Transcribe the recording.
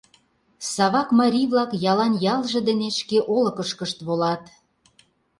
Савак марий-влак ялан ялже дене шке олыкышкышт волат.